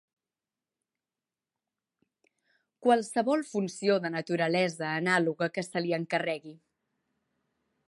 Qualsevol funció de naturalesa anàloga que se li encarregui.